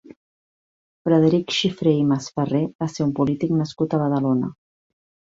Frederic Xifré i Masferrer va ser un polític nascut a Badalona.